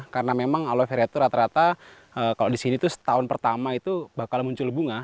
karena memang aloe vera itu rata rata kalau di sini setahun pertama itu bakal muncul bunga